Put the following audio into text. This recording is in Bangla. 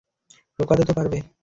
লোকাতে তো পারবে।